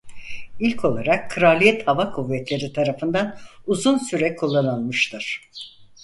İlk olarak Kraliyet Hava Kuvvetleri tarafından uzun süre kullanılmıştır.